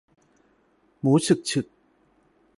หมูฉึกฉึก